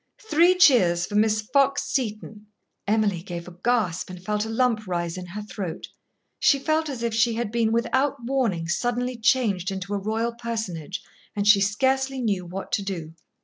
Three cheers for Miss Fox Seton." Emily gave a gasp and felt a lump rise in her throat. She felt as if she had been without warning suddenly changed into a royal personage, and she scarcely knew what to do.